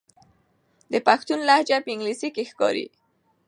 د پښتون لهجه په انګلیسي کې ښکاري.